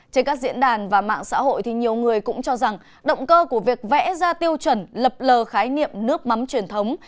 trên các diễn đàn và mạng xã hội thì nhiều người cũng cho rằng động cơ của việc vẽ ra tiêu chuẩn lập lờ khái niệm nước mắm truyền thống